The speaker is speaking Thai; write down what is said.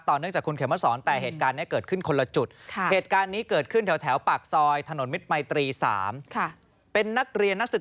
ต่อเนื่องจากคุณเขมรสร